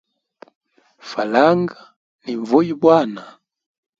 Falanga ni nvuya bwana.